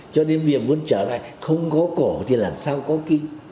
cho nên việc muốn trở lại không có cổ thì làm sao có kinh